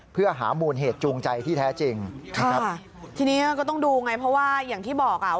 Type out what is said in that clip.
เพื่อหามูลเหตุจูงใจที่แท้จริงนะครับค่ะทีนี้ก็ต้องดูไงเพราะว่าอย่างที่บอกอ่ะ